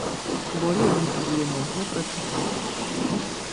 Болей інтэрв'ю можна прачытаць тут.